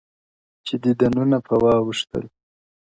چي ديدنونه په واوښتل!.